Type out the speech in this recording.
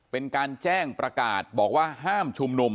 เป็นการแจ้งประกาศบอกว่าห้ามชุมนุม